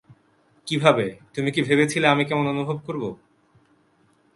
কিভাবে-- তুমি কি ভেবেছিলে আমি কেমন অনুভব করব?